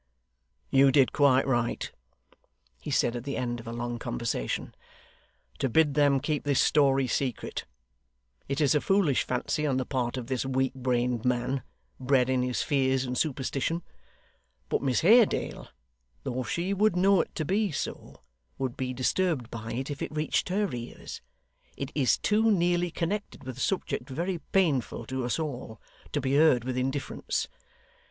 'You did quite right,' he said, at the end of a long conversation, 'to bid them keep this story secret. It is a foolish fancy on the part of this weak brained man, bred in his fears and superstition. But Miss Haredale, though she would know it to be so, would be disturbed by it if it reached her ears; it is too nearly connected with a subject very painful to us all, to be heard with indifference.